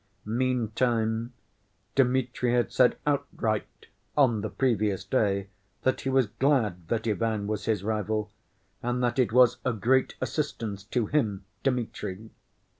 Meantime, Dmitri had said outright on the previous day that he was glad that Ivan was his rival, and that it was a great assistance to him, Dmitri.